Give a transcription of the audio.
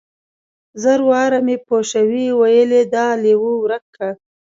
زر واره مې پوشوې ويلي دا ليوه ورک که.